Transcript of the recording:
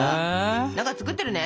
何か作ってるね？